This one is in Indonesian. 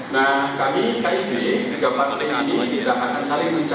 nah kami kib kita akan saling menentukan